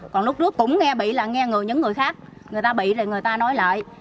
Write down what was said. còn lúc trước cũng nghe bị là nghe người những người khác người ta bị rồi người ta nói lại